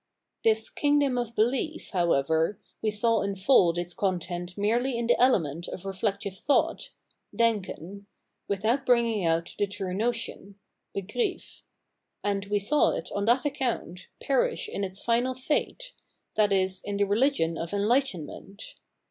This kingdom of belief, how ever, we saw unfold its content merely in the element of reflective thought (Denken), without bringing out the true notion (Begriff) ; and we saw it, on that ac count, perish in its final fate, \iz. in the religion of enlightenment.